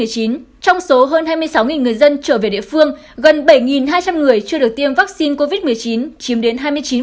trong số hơn hai mươi sáu người dân trở về địa phương gần bảy hai trăm linh người chưa được tiêm vaccine covid một mươi chín chiếm đến hai mươi chín